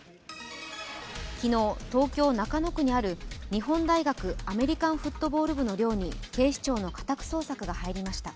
昨日、東京・中野区にある日本大学アメリカンフットボール部の寮に警視庁の家宅捜索が入りました。